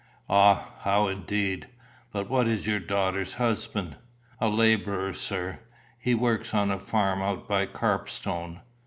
"Ah, how indeed? But what is your daughter's husband?" "A labourer, sir. He works on a farm out by Carpstone."